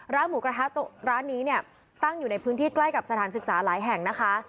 หมูกระทะร้านนี้เนี่ยตั้งอยู่ในพื้นที่ใกล้กับสถานศึกษาหลายแห่งนะคะ